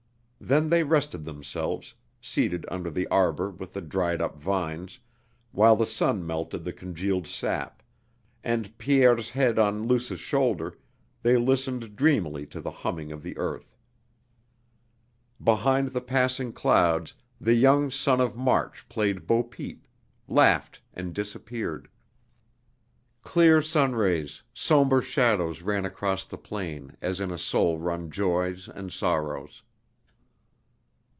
Then they rested themselves, seated under the arbor with the dried up vines, while the sun melted the congealed sap; and, Pierre's head on Luce's shoulder, they listened dreamily to the humming of the earth. Behind the passing clouds the young sun of March played bo peep, laughed and disappeared. Clear sunrays, somber shadows ran across the plain as in a soul run joys and sorrows.